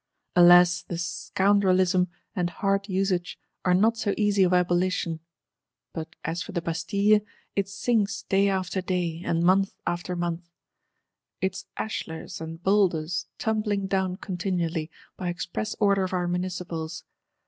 Alas, the Scoundrelism and hard usage are not so easy of abolition! But as for the Bastille, it sinks day after day, and month after month; its ashlars and boulders tumbling down continually, by express order of our Municipals.